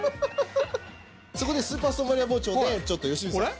そこでスーパーストーンバリア包丁で良純さん